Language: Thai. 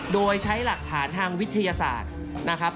โดยใช้หลักฐานทางวิทยาศาสตร์นะครับ